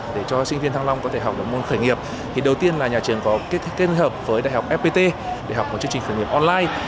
để cho sinh viên thăng long có thể học được môn khởi nghiệp thì đầu tiên là nhà trường có kết hợp với đại học fpt để học một chương trình khởi nghiệp online